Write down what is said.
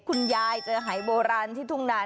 คุณยายเจอหายโบราณที่ทุ่งนา